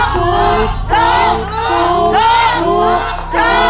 ถูก